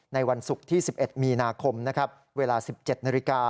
ในวันศุกร์ที่๑๑มีนาคมนะครับเวลา๑๗นาฬิกา